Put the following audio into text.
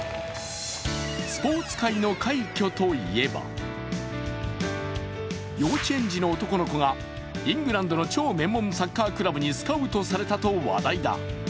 スポーツ界の快挙といえば幼稚園児の男の子がイングランドの超名門サッカークラブにスカウトされたと話題だ。